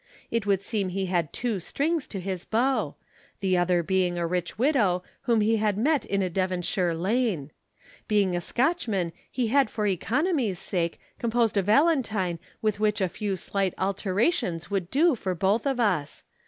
It would seem he had two strings to his bow the other being a rich widow whom he had met in a Devonshire lane. Being a Scotchman he had for economy's sake composed a Valentine which with a few slight alterations would do for both of us.